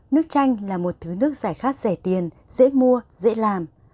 nước chanh là một thứ nước giải khát rẻ tiền dễ mua dễ làm